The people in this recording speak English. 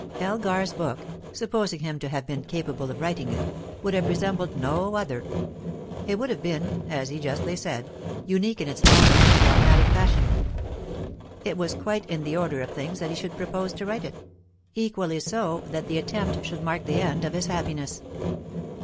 Elgar's book, supposing him to have been capable of writing it, would have resembled no other; it would have been, as he justly said, unique in its anti dogmatic passion. It was quite in the order of things that he should propose to write it; equally so, that the attempt should mark the end of his happiness.